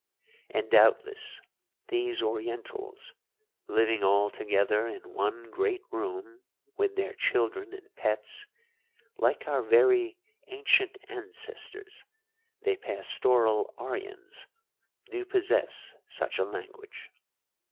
And doubtless these Orientals, living all together in one great room, with their children and pets, like our very ancient ancestors, the pastoral Aryans, do possess such a language.